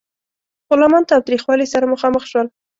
غلامان تاوتریخوالي سره مخامخ شول.